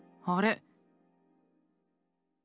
あれ？